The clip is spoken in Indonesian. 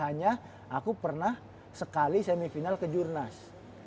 seharusnya aku pernah sekali semifinal ke jurnas